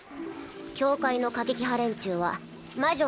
教会の過激派連中は魔女